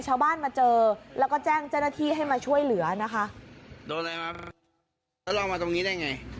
ชาวบ้านมาเจอแล้วก็แจ้งเจ้าหน้าที่ให้มาช่วยเหลือนะคะโดนอะไรครับแล้วเรามาตรงนี้ได้ไง